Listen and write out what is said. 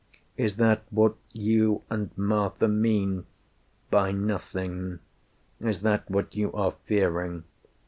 Is that what you and Martha mean by Nothing? Is that what you are fearing?